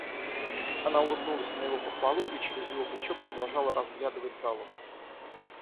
Она улыбнулась на его похвалу и через его плечо продолжала разглядывать залу.